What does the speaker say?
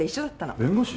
弁護士？